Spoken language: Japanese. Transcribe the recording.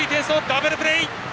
ダブルプレー！